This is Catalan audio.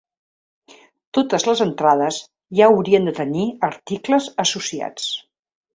Totes les entrades ja haurien de tenir articles associats.